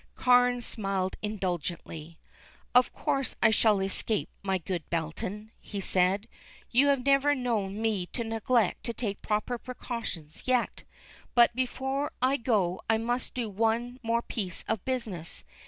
Carne smiled indulgently. "Of course I shall escape, my good Belton," he said. "You have never known me to neglect to take proper precautions yet; but before I go I must do one more piece of business.